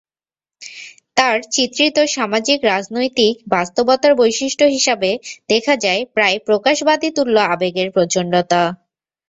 তাঁর চিত্রিত সামাজিক-রাজনৈতিক বাস্তবতার বৈশিষ্ট্য হিসাবে দেখা যায় প্রায় প্রকাশবাদীতুল্য আবেগের প্রচণ্ডতা।